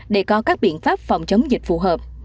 để có các biện pháp phòng chống dịch phù hợp